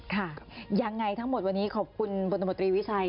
ค่ะยังไงทั้งหมดวันนี้ขอบคุณบนตมตรีวิชัย